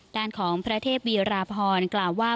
ด้านของพระเทพวีราพรกล่าวว่า